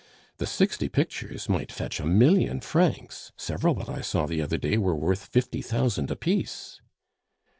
The sixty pictures might fetch a million francs; several that I saw the other day were worth fifty thousand apiece."